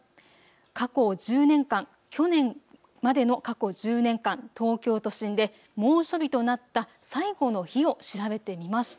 過去１０年間、去年までの過去１０年間、東京都心で猛暑日となった最後の日を調べてみました。